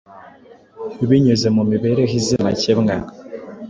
binyuze mu mibereho izira amakemwa.